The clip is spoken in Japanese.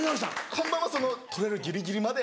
本番は取れるギリギリまで。